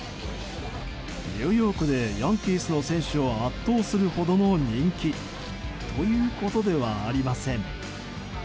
ニューヨークでヤンキースの選手を圧倒するほどの人気ということではありません。